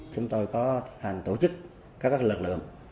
chúng tôi có hành tổ chức các lực lượng